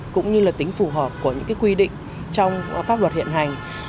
cũng như là tính phù hợp của những quy định trong pháp luật hiện hành